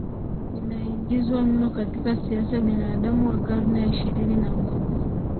inaingizwa mno katika siasa Binadamu wa karne ya ishirini na moja